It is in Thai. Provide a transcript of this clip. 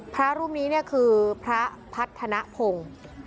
พระรูปนี้คือพระพัฒนภง